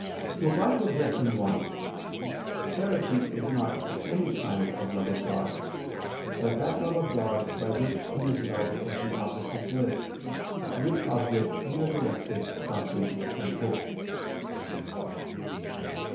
Reply Obj. 1: Charity is not any kind of love of God, but that love of God, by which He is loved as the object of bliss, to which object we are directed by faith and hope.